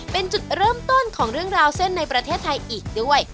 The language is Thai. เป็นจุดเริ่มต้นของเรื่องราวเส้นในประเทศไทยอีกด้วย